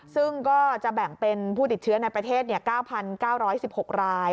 ซึ่งก็จะแบ่งเป็นผู้ติดเชื้อในประเทศ๙๙๑๖ราย